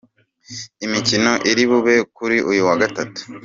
Imikino iri bube kuri uyu wa Gatatu:.